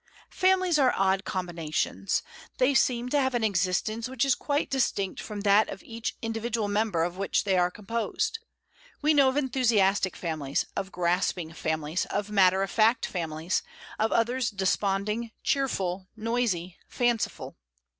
Families are odd combinations; they seem to have an existence which is quite distinct from that of each individual member of which they are com posed. We know of enthusiastic families, of grasp ing families, of matter of fact families, of others de sponding, cheerful, noisy, fanciful.